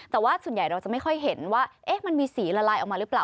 แต่ว่าส่วนใหญ่เราจะไม่ค่อยเห็นว่ามันมีสีละลายออกมาหรือเปล่า